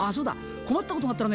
困った事があったらね